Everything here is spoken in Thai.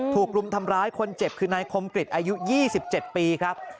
รุมทำร้ายคนเจ็บคือนายคมกริจอายุ๒๗ปีครับ